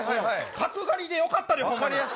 角刈りでよかったでほんまに。